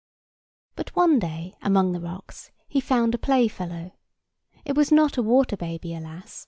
But one day among the rocks he found a playfellow. It was not a water baby, alas!